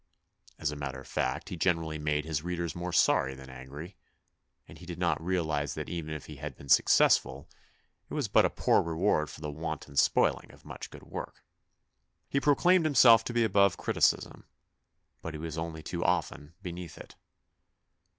As a matter of fact, he generally made his readers more sorry than angry, and he did not THE BIOGRAPHY OF A SUPERMAN 235 realise that even if he had been successful it was but a poor reward for the wanton spoiling of much good work. He proclaimed himself to be above criticism, but he was only too often beneath it.